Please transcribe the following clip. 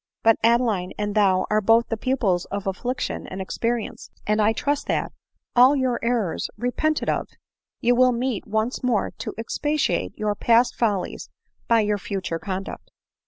But Adeline and thou are both the pupils of affliction and experience; and I trust that, all your errors repented of, you will meet once more to expiate your past follies oy your future conduct."